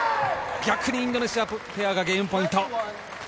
逆にインドネシアペアがゲームポイント。